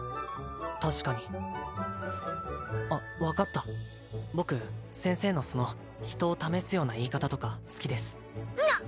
確かにあっ分かった僕先生のその人を試すような言い方とか好きですなっ！